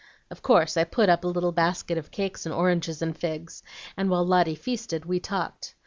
"Of course I put up a little basket of cake and oranges and figs, and while Lotty feasted, we talked.